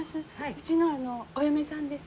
うちのお嫁さんです。